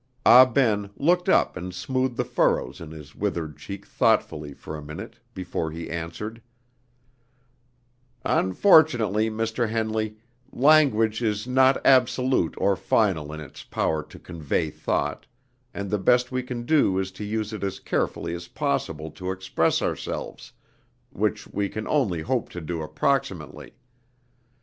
Ah Ben looked up and smoothed the furrows in his withered cheek thoughtfully for a minute before he answered: "Unfortunately, Mr. Henley, language is not absolute or final in its power to convey thought, and the best we can do is to use it as carefully as possible to express ourselves, which we can only hope to do approximately.